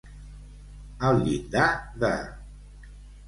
Al llindar de.